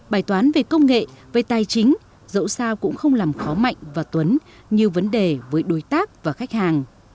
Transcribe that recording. bài toán về công nghệ về tài chính dẫu sao cũng không làm khó mạnh và tuấn nhiều vấn đề với đối tác và khách hàng